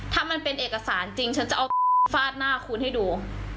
ถ้ามันเป็นเอกสารจริงฉันจะเอาฟาดหน้าคุณให้ดู